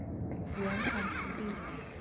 原产极地。